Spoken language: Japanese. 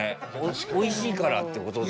おいしいからってことで？